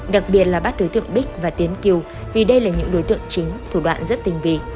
đặc biệt là bắt đối tượng bích và tiến kiều vì đây là những đối tượng chính thủ đoạn rất tình vị